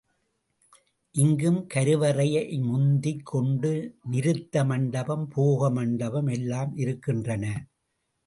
இங்கும் கருவறையை முந்திக் கொண்டு நிருத்த மண்டபம், போக மண்டபம் எல்லாம் இருக்கின்றன.